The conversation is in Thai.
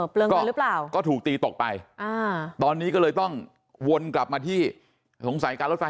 หรือเปล่าก็ถูกตีตกไปอ่าตอนนี้ก็เลยต้องวนกลับมาที่สงสัยการรถไฟ